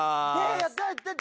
やった！